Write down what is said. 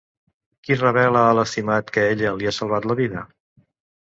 Qui revela a l'estimat que ella li ha salvat la vida?